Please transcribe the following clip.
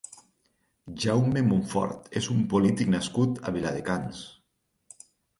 Jaume Montfort és un polític nascut a Viladecans.